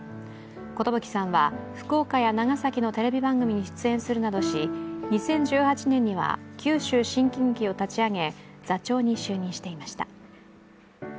寿さんは福岡や長崎のテレビ番組に出演するなどし、２０１８年には九州新喜劇を立ち上げ座長に就任していました